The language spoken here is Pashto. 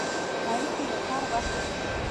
اړیکې د کار برخه ده